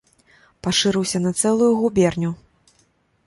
Пашырыўся на цэлую губерню.